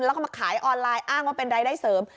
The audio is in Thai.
แล้วก็มาขายออนไลน์อ้างว่าเป็นรายได้เสริม